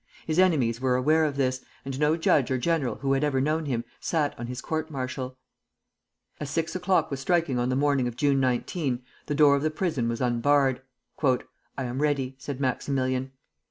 His enemies were aware of this, and no judge or general who had ever known him sat on his court martial. As six o'clock was striking on the morning of June 19, the door of the prison was unbarred. "I am ready," said Maximilian.